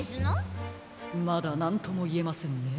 まだなんともいえませんね。